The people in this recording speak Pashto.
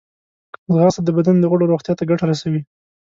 ځغاسته د بدن د غړو روغتیا ته ګټه رسوي